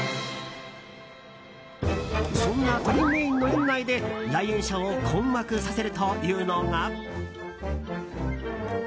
そんな鳥メインの園内で来園者を困惑させるというのが。